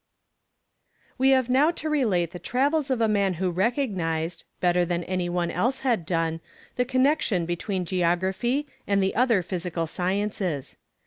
We have now to relate the travels of a man who recognized, better than any one else had done, the connexion between geography and the other physical sciences.